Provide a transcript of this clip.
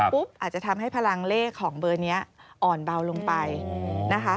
อาจจะทำให้พลังเลขของเบอร์นี้อ่อนเบาลงไปนะคะ